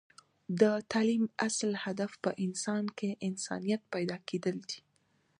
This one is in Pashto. د تعلیم اصل هدف په انسان کې انسانیت پیدا کیدل دی